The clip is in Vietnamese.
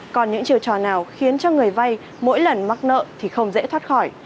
còn những chiều trò nào khiến cho người vay mỗi lần mắc nợ thì không dễ thoát khỏi